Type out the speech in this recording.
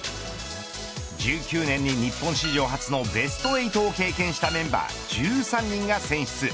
１９年に日本史上初のベスト８を経験したメンバー１３人が選出。